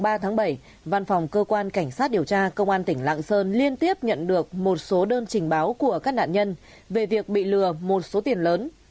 ngày ba tháng bảy văn phòng cơ quan cảnh sát điều tra công an tỉnh lạng sơn liên tiếp nhận được một số đơn trình báo của các nạn nhân về việc bị lừa một số tiền lớn